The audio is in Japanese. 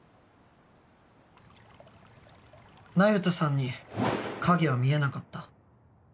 那由他さんに影は見えなかった。